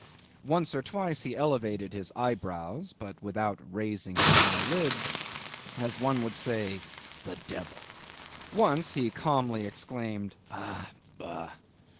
Once or twice he elevated his eyebrows (but without raising his eyelids), as one would say "The devil!" Once he calmly exclaimed, "Ah, bah!"